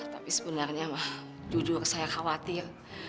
tapi sebenarnya jujur saya khawatir